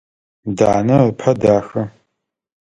Данэ ыпэ дахэ.